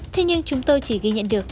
thế nhưng chúng tôi chỉ ghi nhận được